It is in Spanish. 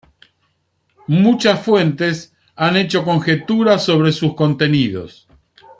Muchas fuentes han hecho conjeturas sobre sus contenidos.